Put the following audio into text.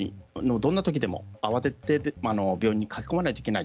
どんなときでも慌てて病院に駆け込まなければいけない。